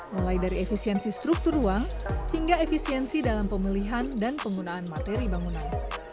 mulai dari efisiensi struktur ruang hingga efisiensi dalam pemilihan dan penggunaan materi bangunan